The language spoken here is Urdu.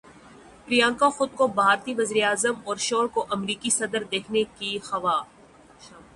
پریانکا خود کو بھارتی وزیر اعظم اور شوہر کو امریکی صدر دیکھنے کی خواہاں